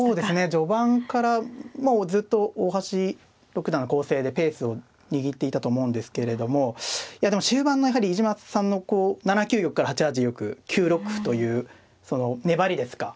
序盤からもうずっと大橋六段の攻勢でペースを握っていたと思うんですけれどもいやでも終盤のやはり飯島さんのこう７九玉から８八玉９六歩というその粘りですか